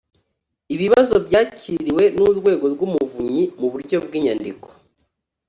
ibibazo byakiriwe n urwego rw umuvunyi mu buryo bw inyandiko